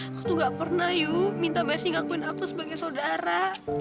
aku tuh enggak pernah yu minta mercy ngakuin aku sebagai saudara